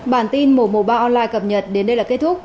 bản tin một trăm một mươi ba online cập nhật đến đây là kết thúc